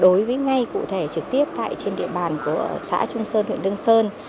đối với ngay cụ thể trực tiếp trên địa bàn của xã trung sơn huyện đương sơn